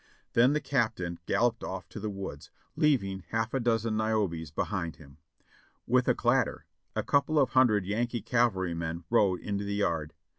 Then the captain galloped off to the woods, leaving half a dozen Niobes behind him. With a clatter, a couple of hundred Yankee cavalrymen rode into the yard.